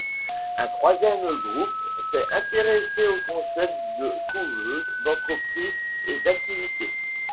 Un troisième groupe s’est intéressé au concept de couveuses d’entreprises et d’activité.